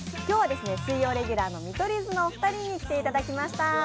今日は水曜レギュラーの見取り図のお二人に来ていただきました。